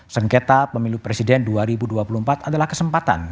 sengketa pemilu presiden dua ribu dua puluh empat adalah kesempatan